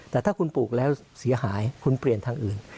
แต่ถ้าคุณปลูกแล้วเสียหายคุณเปลี่ยนทางอื่น